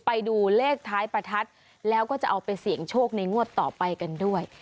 ไปดูเลขท้ายประทัดแล้วก็จะเอาไปเสี่ยงโชคในงวดต่อไปกันด้วย